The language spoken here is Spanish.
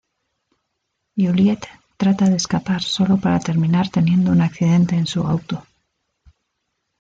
Juliette trata de escapar solo para terminar teniendo un accidente en su auto.